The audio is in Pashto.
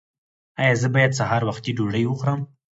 ایا زه باید سهار وختي ډوډۍ وخورم؟